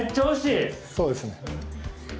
そうですね。